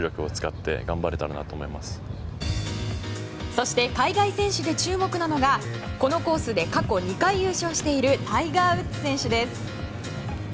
そして海外選手で注目なのがこのコースで過去２回優勝しているタイガー・ウッズ選手です。